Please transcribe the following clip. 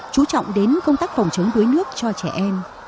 chú trọng đến công tác phòng chống đuối nước cho trẻ em